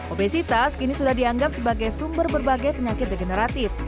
obesitas kini sudah dianggap sebagai sumber berbagai penyakit degeneratif